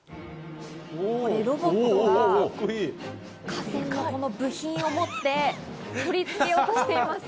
ロボットが架線のこの部品を持って取り付けをしています。